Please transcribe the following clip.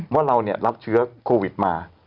ว่าเรารับเชื้อโควิดมา